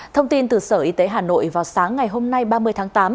thông tin từ sở y tế hà nội vào sáng ngày hôm nay ba mươi tháng tám